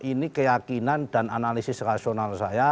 ini keyakinan dan analisis rasional saya